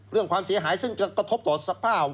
ความเสียหายซึ่งจะกระทบต่อสภาพ